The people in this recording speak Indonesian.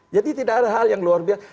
jadi tidak ada hal yang luar biasa